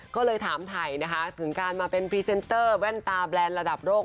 ก็เลยถามไทยนะคะถึงการมาเป็นพรีเซนเตอร์แว่นตาแบรนด์ระดับโลก